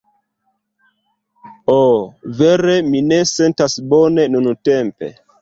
Oh... vere mi ne sentas bone nuntempe!